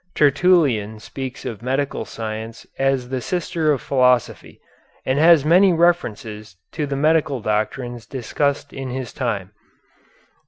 Tertullian speaks of medical science as the sister of philosophy, and has many references to the medical doctrines discussed in his time.